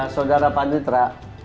saudara pak nitra